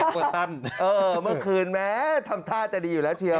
ตกตั้นเออเมื่อคืนแม้ทำท่าจะดีอยู่แล้วเชียว